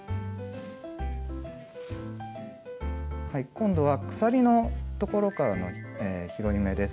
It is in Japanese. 今度は鎖のところからの拾い目です。